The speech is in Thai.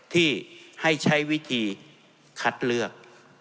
ที่ให้ใช้วิธีคัดเลือก